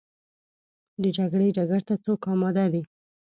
د جګړې ډګر ته څوک اماده دي؟